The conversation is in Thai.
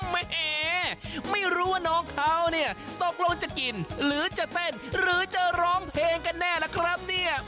แหมไม่รู้ว่าน้องเขาเนี่ยตกลงจะกินหรือจะเต้นหรือจะร้องเพลงกันแน่ล่ะครับเนี่ย